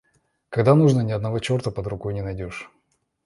Когда нужно ни одного чёрта под рукой не найдешь.